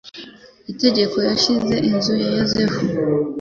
itegeko yashinze inzu ya Yozefu